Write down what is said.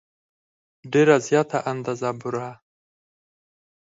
ډېره زیاته اندازه بوره.